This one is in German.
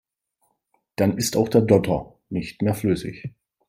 Dann ist auch der Dotter nicht mehr flüssig.